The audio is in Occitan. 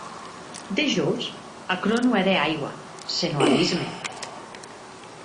Dejós, aquerò non ère aigua, senon abisme.